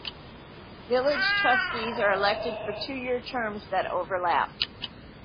Village trustees are elected for two year terms that overlap.